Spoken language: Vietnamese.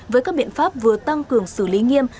với các biện pháp vừa tăng cường xử lý nghiêm